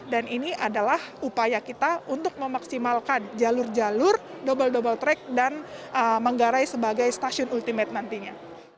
dan ini adalah upaya kita untuk memaksimalkan jalur jalur double double track dan manggarai sebagai stasiun ultimate nantinya